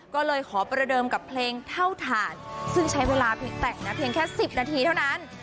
ก็เลยขอประเดิมกับเพลงเท่าฐานซึ่งใช้เวลาแต่งนะเพียงแค่๑๐นาทีเท่านั้น